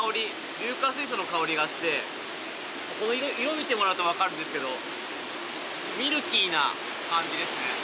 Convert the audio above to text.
硫化水素の香りがしてこの色色見てもらうとわかるんですけどな感じですね